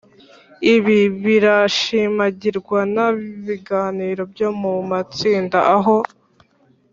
Ibi birashimangirwa n ibiganiro byo mu matsinda aho